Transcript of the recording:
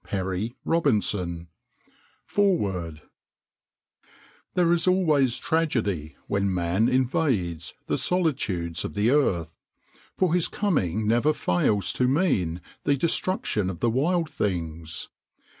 PERRY ROBINSON LONDON ADAM·&·CHARLES·BLACK 1913 FOREWORD There is always tragedy when man invades the solitudes of the earth, for his coming never fails to mean the destruction of the wild things.